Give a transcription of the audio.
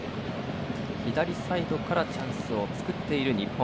左サイドからチャンスを作っている日本。